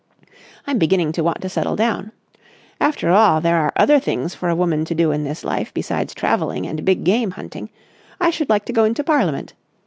I'm beginning to want to settle down. After all there are other things for a woman to do in this life besides travelling and big game hunting. I should like to go into Parliament.